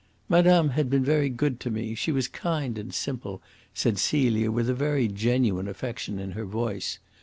"Madame had been very good to me. She was kind and simple," said Celia, with a very genuine affection in her voice.